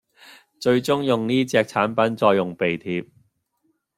最終用呢隻產品再用鼻貼